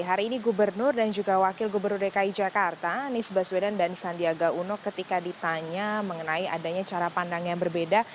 hari ini gubernur dan juga wakil gubernur dki jakarta anies baswedan dan sandiaga uno ketika ditanya mengenai adanya cara pandang yang berbeda